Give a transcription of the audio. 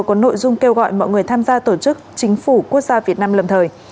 có nội dung kêu gọi mọi người tham gia tổ chức chính phủ quốc gia việt nam lâm thời